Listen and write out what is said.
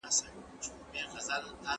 ملي شورا استخباراتي معلومات نه افشا کوي.